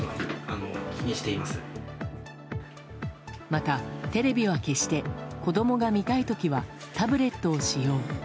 また、テレビは消して子供が見たい時はタブレットを使用。